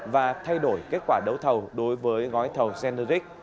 và thay đổi kết quả đấu thầu đối với gói thầu centeric